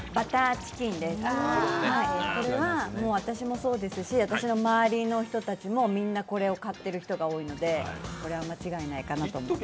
私もそうですし、私の周りの人たちもみんなこれを買ってる人が多いので、これは間違いないかなと思います。